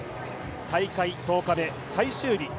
大会１０日目、最終日。